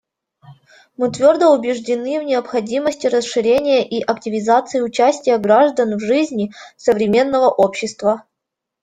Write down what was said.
Мы твердо убеждены в необходимости расширения и активизации участия граждан в жизни современного общества.